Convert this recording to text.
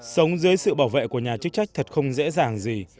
sống dưới sự bảo vệ của nhà chức trách thật không dễ dàng gì